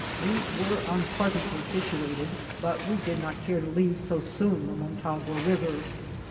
We were impleasantly situated, but we did not care to leave so soon the Motagua river.